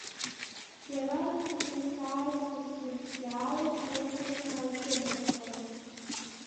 Еразнак днаҵааит Зосим, иааиз лыҟазшьа ааицәымыӷханы.